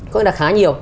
có khi là khá nhiều